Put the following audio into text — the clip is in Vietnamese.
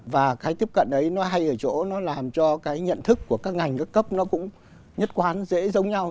và cái tiếp cận đấy nó hay ở chỗ nó làm cho cái nhận thức của các ngành các cấp nó cũng nhất quán dễ giống nhau